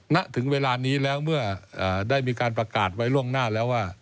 ณถึงเวลานี้แล้วเมื่อได้มีการประกาศไว้ล่วงหน้าแล้วว่า